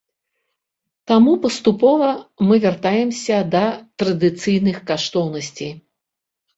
Таму паступова мы вяртаемся да традыцыйных каштоўнасцяў.